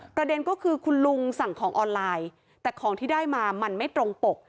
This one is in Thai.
ประเด็นก็คือคุณลุงสั่งของออนไลน์แต่ของที่ได้มามันไม่ตรงปก